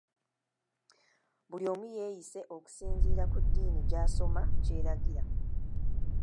Buli omu yeeyise okusinziira ku ddiini gy’asoma kyeragira.